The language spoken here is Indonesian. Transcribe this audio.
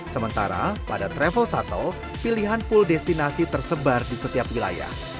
sementara pada travel shuttle pilihan full destinasi tersebar di setiap wilayah